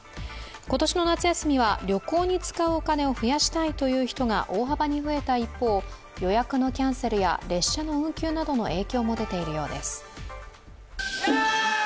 今年の夏休みは旅行に使うお金を増やしたいという人が大幅に増えた一方、予約のキャンセルや列車の運休などの影響も出ているようです。